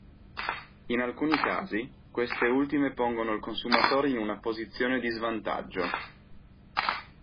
In alcuni casi, queste ultime pongono il consumatore in una posizione di svantaggio.